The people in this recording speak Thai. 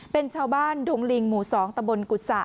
เป็นชาวบ้านดุงลิงหมู่๒ตะบนกุศะ